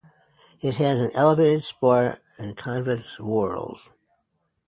It has an elevated spire and convex whorls.